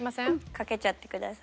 かけちゃってください。